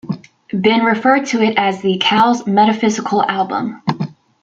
Been referred to it as The Call's "metaphysical" album.